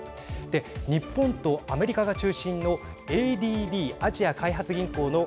日本とアメリカが中心のＡＤＢ＝アジア開発銀行の